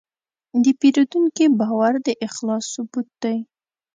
د پیرودونکي باور د اخلاص ثبوت دی.